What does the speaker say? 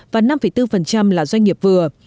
và năm bốn là doanh nghiệp vừa